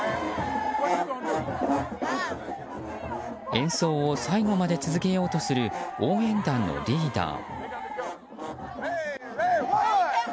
演奏を最後まで続けようとする応援団のリーダー。